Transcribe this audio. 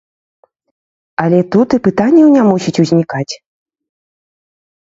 Але тут і пытанняў не мусіць узнікаць!